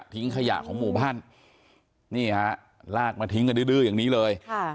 ทิ้งขยะของหมู่บ้านนี่ฮะลากมาทิ้งกันดื้ออย่างนี้เลย